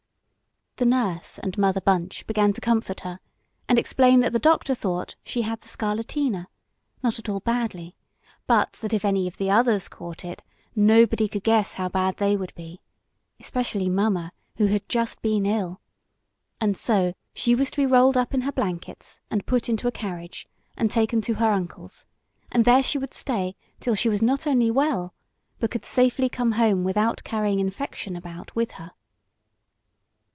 The Nurse and Mother Bunch began to comfort her, and explain that the doctor thought she had the scarlatina; not at all badly; but that if any of the others caught it, nobody could guess how bad they would be; especially Mamma, who had just been ill; and so she was to be rolled up in her blankets, and put into a carriage, and taken to her uncle's; and there she would stay till she was not only well, but could safely come home without carrying infection about with her.